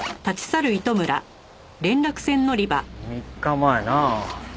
３日前なあ。